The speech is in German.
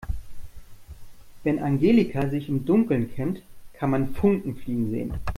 Wenn Angelika sich im Dunkeln kämmt, kann man Funken fliegen sehen.